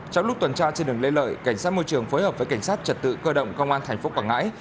trong lúc tuần tra trên đường lê lợi cảnh sát môi trường phối hợp với cảnh sát trật tự cơ động công an tp quảng ngãi